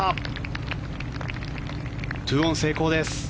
２オン成功です。